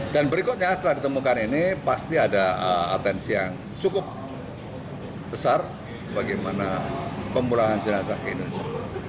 dan berikutnya setelah ditemukan ini pasti ada atensi yang cukup besar bagaimana pemulangan jenazah ke indonesia